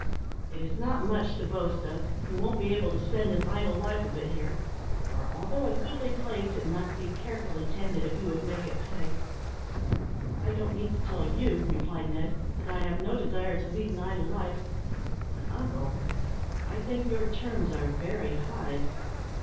It is not much to boast of. You won't be able to spend an idle life of it here; for, although a goodly place, it must be carefully tended if you would make it pay." "I don't need to tell you," replied Ned, "that I have no desire to lead an idle life. But, uncle, I think your terms are very high."